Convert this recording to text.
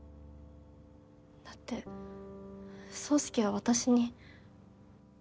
だって宗介は私に。